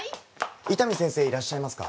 伊丹先生いらっしゃいますか？